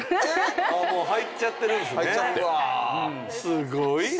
すごいな！